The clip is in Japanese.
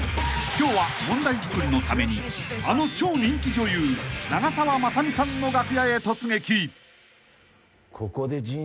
［今日は問題作りのためにあの超人気女優長澤まさみさんの楽屋へ突撃！］